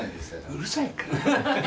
うるさいから。